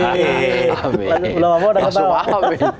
mas mawamu udah ketawa